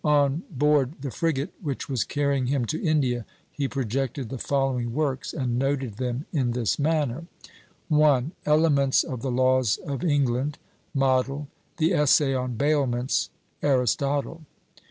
On board the frigate which was carrying him to India, he projected the following works, and noted them in this manner: 1. Elements of the Laws of England. Model The Essay on Bailments. ARISTOTLE.